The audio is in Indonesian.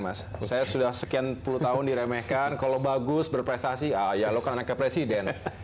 mas saya sudah sekian puluh tahun diremehkan kalau bagus berprestasi ah ya lo kan anaknya presiden